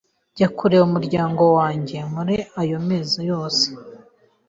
njya kure y’umuryango wanjye muri ayo mezi yose